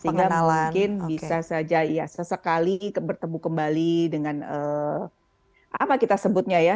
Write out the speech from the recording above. sehingga mungkin bisa saja ya sesekali bertemu kembali dengan apa kita sebutnya ya